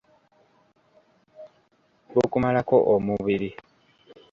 Bukumalako omubiri.